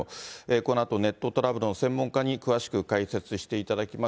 このあとネットトラブルの専門家に詳しく解説していただきます。